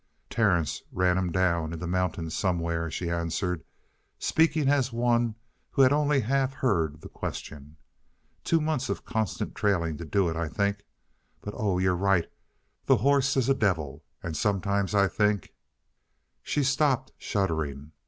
"Terence ran him down in the mountains somewhere," she answered, speaking as one who had only half heard the question. "Two months of constant trailing to do it, I think. But oh, you're right! The horse is a devil! And sometimes I think " She stopped, shuddering.